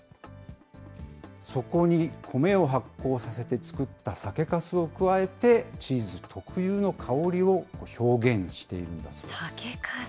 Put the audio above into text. そこにコメを発酵させて作った酒かすを加えて、チーズ特有の香りを表現しているんです。